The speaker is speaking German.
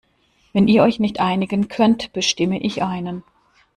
Wenn ihr euch nicht einigen könnt, bestimme ich einen.